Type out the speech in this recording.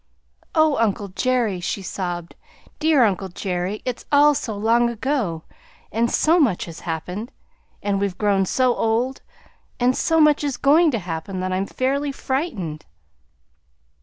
"Oh, uncle Jerry!" she sobbed; "dear uncle Jerry! It's all so long ago, and so much has happened, and we've grown so old, and so much is going to happen that I'm fairly frightened."